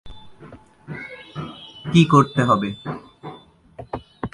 কী করতে হবে?